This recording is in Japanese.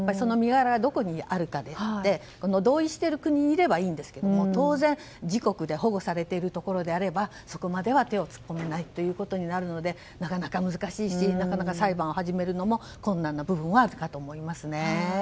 身柄がどこにあるかによって同意している国にいればいいんですが当然、自国で保護されているところであればそこまでは手を突っ込めないということになるのでなかなか難しいしなかなか裁判を始めるのも困難な部分はあるかと思いますね。